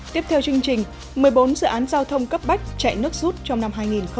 tiếp theo chương trình một mươi bốn dự án giao thông cấp bách chạy nước rút trong năm hai nghìn hai mươi